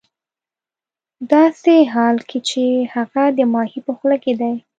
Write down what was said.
ه داسې حال کې چې هغه د ماهي په خوله کې دی